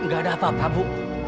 gak ada apa apa bu